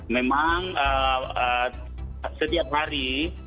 memang setiap hari